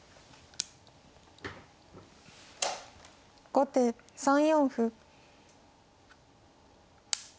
後手３四歩。